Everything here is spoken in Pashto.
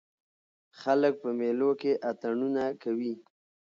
خلک په مېلو کښي اتڼونه کوي.